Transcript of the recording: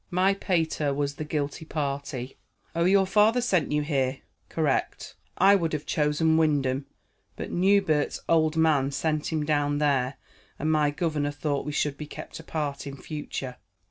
My pater was the guilty party." "Oh, your father sent you here?" "Correct. I would have chosen Wyndham, but Newbert's old man sent him down there, and my governor thought we should be kept apart in future."